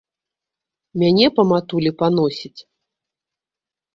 Мяне па матулі паносіць.